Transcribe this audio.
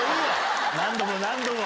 何度も何度も！